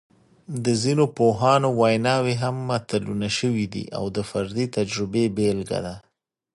د ځینو پوهانو ویناوې هم متلونه شوي دي او د فردي تجربې بېلګه ده